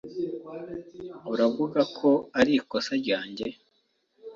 Uravuga ko arikosa ryanjye?